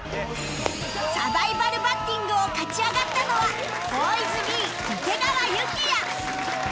サバイバルバッティングを勝ち上がったのは Ｂｏｙｓｂｅ 池川侑希弥